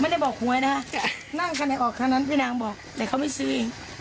ไม่ได้บอกหวยนะนั่งคันไหนออกคันนั้นพี่นางบอกแต่เขาไม่ซื้อ